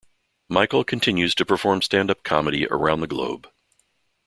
Michael continues to perform stand-up comedy around the globe.